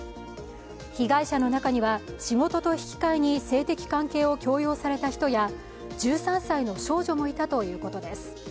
被害者の中には、仕事と引き換えに性的関係を強要された人や１３歳の少女もいたということです。